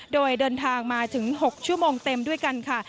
โดยเดินทางมาถึง๖ชั่วโมงเต็มด้วยกันค่ะ